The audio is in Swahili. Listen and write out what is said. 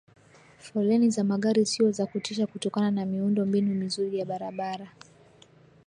Foleni za magari sio za kutisha kutokana na miundo mbinu mizuri ya barabara